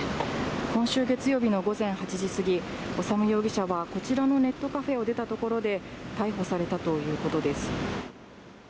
今週月曜日の午前８時過ぎ、修容疑者は、こちらのネットカフェを出たところで、逮捕されたということです。